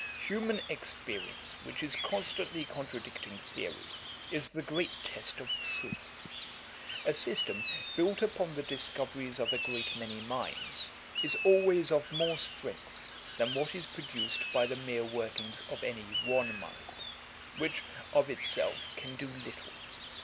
'Human experience, which is constantly contradicting theory, is the great test of truth. A system, built upon the discoveries of a great many minds, is always of more strength, than what is produced by the mere workings of any one mind, which, of itself, can do little.